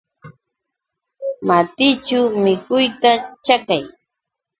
Matićhu mikuyta chakay.